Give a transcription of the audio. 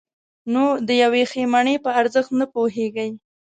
نو د یوې ښې مڼې په ارزښت نه پوهېږئ.